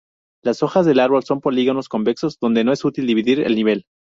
Las hojas del árbol son polígonos convexos, donde no es útil dividir el nivel.